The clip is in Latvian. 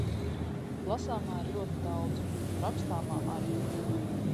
Lasāmā ir ļoti daudz un rakstāmā arī.